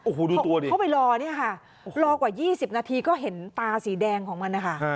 โอ้โหดูตัวดิเข้าไปรอเนี่ยค่ะรอกว่า๒๐นาทีก็เห็นตาสีแดงของมันนะคะ